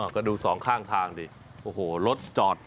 ก็ดูสองข้างทางดิโอ้โหรถจอด